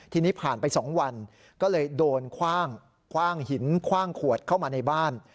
ทีนี้ผ่านไป๒วันก็เลยโดนคว่างหินคว่างขวดเข้ามาในบ้าน